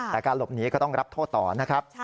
แต่การหลบหนีก็ต้องรับโทษต่อนะครับ